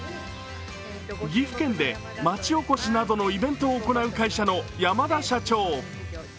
岐阜県で町おこしなどのイベントを行う会社の山田社長。